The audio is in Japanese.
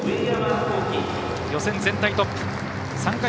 予選全体トップ参加